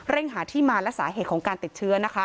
๓เร่งหาที่มาและสาเหตุของการติดเชื้อ